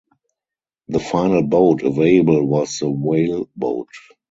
The final boat available was the whale boat.